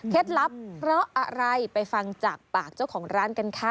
ลับเพราะอะไรไปฟังจากปากเจ้าของร้านกันค่ะ